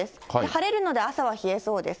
晴れるので朝は冷えそうです。